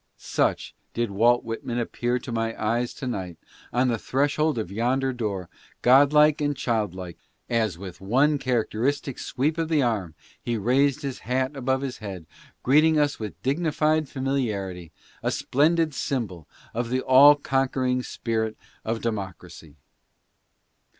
Such did Walt Whitman appear to my eyes to night, at the threshold of yonder door, godlike and childlike, as with one characteristic sweep of the arm he raised his hat above his head, greeting us with dignified familiarity, a splendid symbol of the all conquering spirit of democracy.